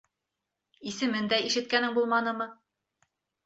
— Исемен дә ишеткәнең булманымы?